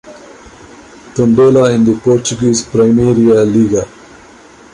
Tondela in the Portuguese Primeira Liga.